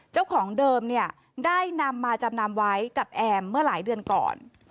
เจ้าของเดิมเนี่ยได้นำมาจำนำไว้กับแอมเมื่อหลายเดือนก่อน